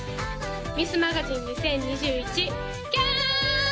ミスマガジン２０２１キャー！